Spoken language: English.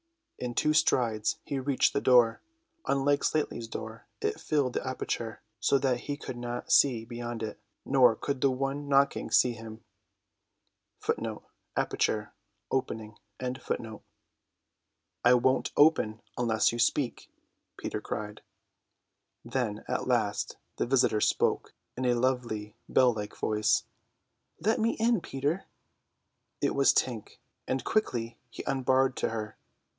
In two strides he reached the door. Unlike Slightly's door, it filled the aperture, so that he could not see beyond it, nor could the one knocking see him. "I won't open unless you speak," Peter cried. Then at last the visitor spoke, in a lovely bell like voice. "Let me in, Peter." It was Tink, and quickly he unbarred to her.